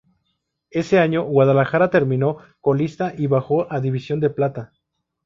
Ese año, Guadalajara terminó colista, y bajó a División de Plata.